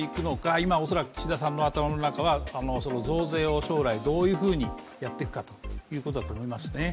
今、恐らく岸田さんの頭の中はその増税を将来どういうふうにやっていくかということだと思いますね。